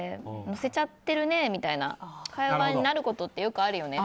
載せちゃってるねみたいな会話になることってよくあるよね。